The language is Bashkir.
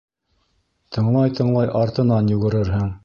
Тыңлай-тыңлай артынан йүгерерһең.